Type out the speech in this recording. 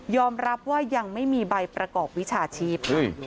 รับว่ายังไม่มีใบประกอบวิชาชีพ